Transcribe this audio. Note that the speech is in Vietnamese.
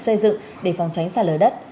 xây dựng để phòng tránh sạt lở đất